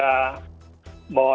bawa olahraga ke dunia